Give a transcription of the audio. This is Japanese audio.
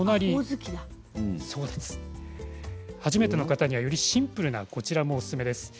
初めての方には、よりシンプルなこちらもおすすめです。